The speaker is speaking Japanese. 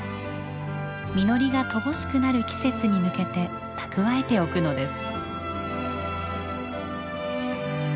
実りが乏しくなる季節に向けて蓄えておくのです。